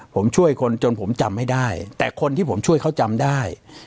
ผมช่วยคนจนผมจำให้ได้แต่คนที่ผมช่วยเขาจำได้